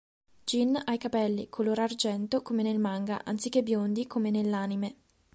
Gin ha i capelli color argento come nel manga, anziché biondi come nell'anime.